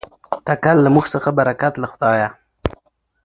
تکل له موږ څخه برکت له خدایه.